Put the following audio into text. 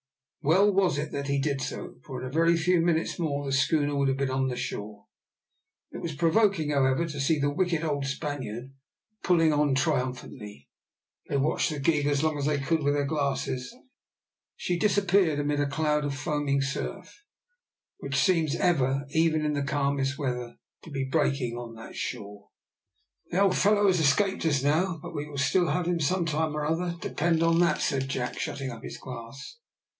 Well was it that he did so, for in a very few minutes more the schooner would have been on shore. It was provoking, however, to see the wicked old Spaniard pulling on triumphantly. They watched the gig as long as they could with their glasses. She disappeared amid a cloud of foaming surf, which seems ever, even in the calmest weather, to be breaking on that shore. "The old fellow has escaped us now, but we will still have him some time or other depend on that," said Jack, shutting up his glass.